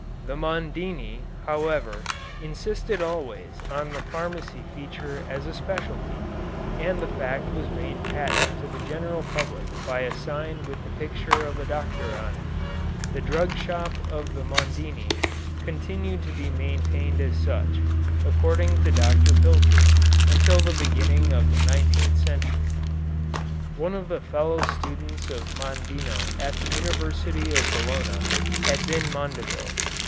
The Mondini, however, insisted always on the pharmacy feature as a specialty, and the fact was made patent to the general public by a sign with the picture of a doctor on it. This drug shop of the Mondini continued to be maintained as such, according to Dr. Pilcher, until the beginning of the nineteenth century. One of the fellow students of Mondino at the University of Bologna had been Mondeville.